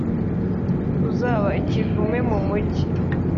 uzaba ikivume mu mugi,